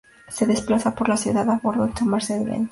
Se desplazaba por la ciudad a bordo de su Mercedes Benz.